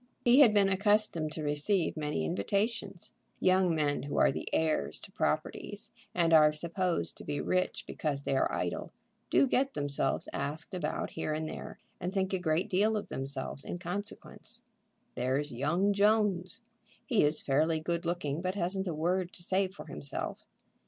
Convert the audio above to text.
He had been accustomed to receive many invitations. Young men who are the heirs to properties, and are supposed to be rich because they are idle, do get themselves asked about here and there, and think a great deal of themselves in consequence. "There's young Jones. He is fairly good looking, but hasn't a word to say for himself.